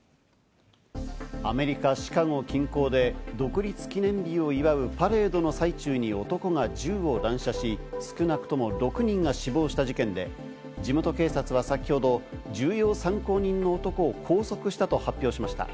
アメリカ、シカゴ近郊で独立記念日を祝うパレードの最中に男が銃を乱射し、少なくとも６人が死亡した事件で地元警察は先ほど重要参考人の男を拘束したと発表しました。